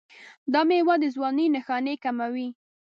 دا میوه د ځوانۍ نښانې کموي.